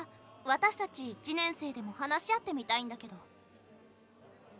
私たち１年生でも話し合ってみたいんだけど。